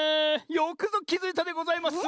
よくぞきづいたでございます。